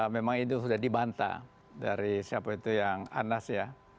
memang itu sudah dibantah dari siapa itu yang anas ya